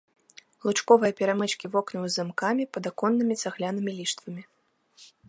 Лучковыя перамычкі вокнаў з замкамі, падаконнымі цаглянымі ліштвамі.